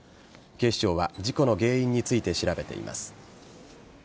警視庁は事故の原因について調べています。